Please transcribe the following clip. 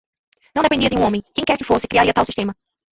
Não dependia de um homem, quem quer que fosse, criaria tal sistema.